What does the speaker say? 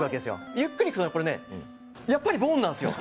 ゆっくりいくとやっぱりボンなんですよ